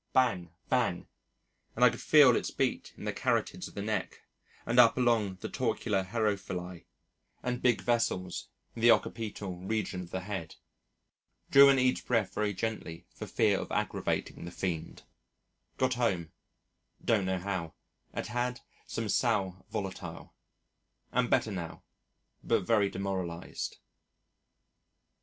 bang! bang! and I could feel its beat in the carotids of the neck and up along the Torcular herophili and big vessels in the occipital region of the head. Drew in each breath very gently for fear of aggravating the fiend. Got home (don't know how) and had some sal volatile. Am better now but very demoralised.